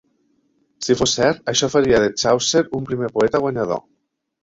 Si fos cert, això faria de Chaucer un primer poeta guanyador.